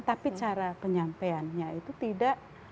tapi cara penyampaiannya itu tidak